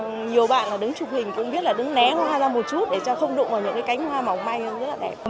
nhiều bạn đứng chụp hình cũng biết là đứng né hoa ra một chút để cho không đụng vào những cái cánh hoa mỏng may